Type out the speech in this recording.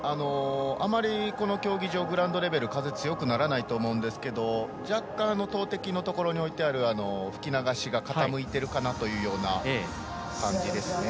あまり、この競技場あまりグラウンドレベル風、強くならないと思うんですが若干投てきのところに置いてある吹き流しが傾いているかなという感じですね。